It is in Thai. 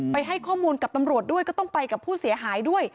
ให้ข้อมูลกับตำรวจด้วยก็ต้องไปกับผู้เสียหายด้วย